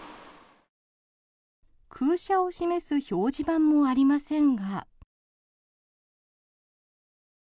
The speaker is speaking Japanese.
空車を示す表示板もありませんが。